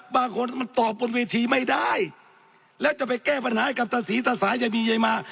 บางคนมันตอบบนเวทีไม่ได้แล้วจะไปแก้ปัญหาให้กับตาศรีตาสายยายบียายมา